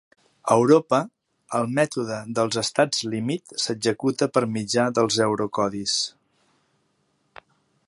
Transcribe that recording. A Europa, el mètode dels estats límit s'executa per mitjà dels eurocodis.